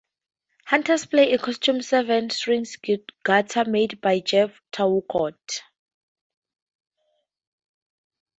Hunter plays a custom seven-string guitar made by Jeff Traugott.